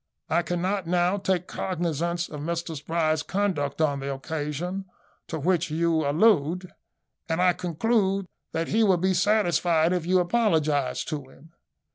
"I cannot now take cognisance of Mr Spry's conduct on the occasion to which you allude; and I conclude that he will be satisfied if you apologise to him.